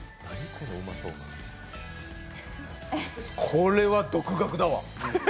これは独学だわ！